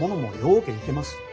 うけいてます。